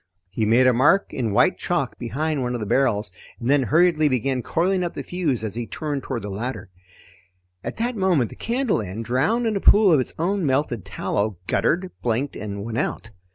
He made a mark in white chalk behind one of the barrels and then hurriedly began coiling up the fuse as he turned toward the ladder. At that moment the candle end, drowned in a pool of its own melted tallow, guttered, blinked, and went out.